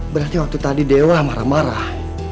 berarti waktu tadi dewa marah marah